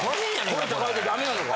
声高いとダメなのか？